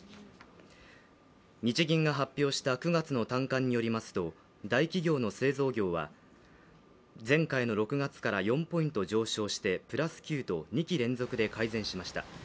日銀が発表した９月の短観によりますと、大企業の製造業は、前回の６月から４ポイント上昇してプラス９と、２期連続で改善しました。